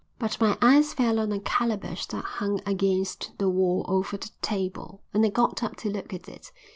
But my eyes fell on a calabash that hung against the wall over the table, and I got up to look at it.